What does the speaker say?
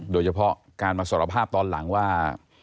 โดยเฉพาะการมาสารภาพตอนหลังว่า